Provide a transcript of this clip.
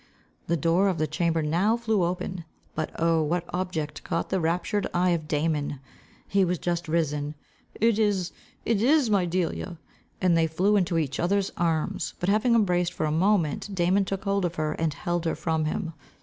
The door of the chamber now flew open. But oh, what object caught the raptured eye of Damon! He was just risen. "It is, it is my Delia!" and they flew into each others arms. But having embraced for a moment, Damon took hold of her hand, and held her from him.